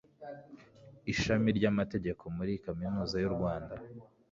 ishami ry'amategeko muri kaminuza y'u rwanda